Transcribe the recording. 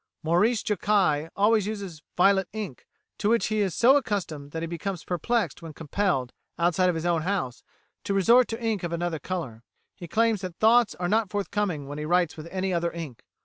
Maurice Jokai always uses violet ink, to which he is so accustomed that he becomes perplexed when compelled, outside of his own house, to resort to ink of another colour. He claims that thoughts are not forthcoming when he writes with any other ink.